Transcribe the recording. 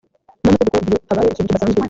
n amategeko igihe habaye ikintu kidasanzwe